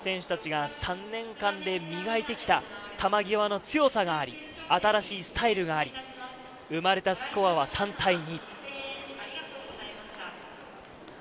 中央の選手たちが３年間で磨いてきた球際の強さがあり、新しいスタイルがあり、生まれたスコアは３対２。